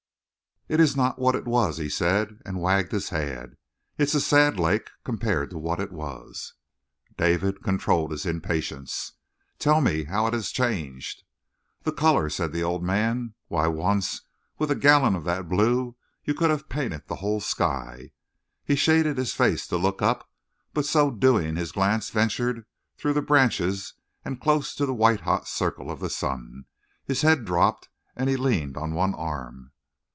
"It's not what it was," he said, and wagged his head. "It's a sad lake compared to what it was." David controlled his impatience. "Tell me how it is changed." "The color," said the old man. "Why, once, with a gallon of that blue you could have painted the whole sky." He shaded his face to look up, but so doing his glance ventured through the branches and close to the white hot circle of the sun. His head dropped and he leaned on one arm.